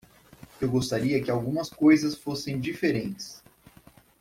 Eu gostaria que algumas coisas fossem diferentes.